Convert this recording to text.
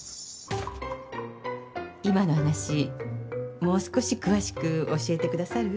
今の話もう少し詳しく教えてくださる？